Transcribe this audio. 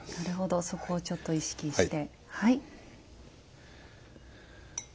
なるほどそこをちょっと意識してはい。